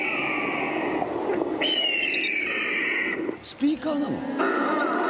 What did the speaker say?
スピーカーなの？